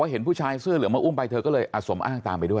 เห็นผู้ชายเสื้อเหลืองมาอุ้มไปเธอก็เลยอาสมอ้างตามไปด้วย